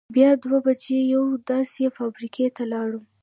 بیا دوه بجې یوې داسې فابرېکې ته لاړم.